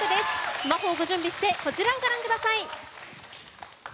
スマホをご準備してこちらをご覧ください。